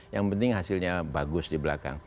yang penting hasilnya bagus di belakang